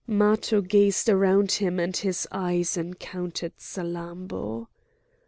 Matho gazed round him and his eyes encountered Salammbô.